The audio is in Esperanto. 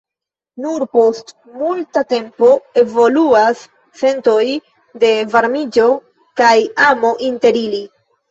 Nur post multa tempo evoluas sentoj de varmiĝo kaj amo inter ili.